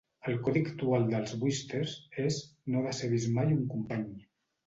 El codi actual dels Woosters és "No decebis mai un company".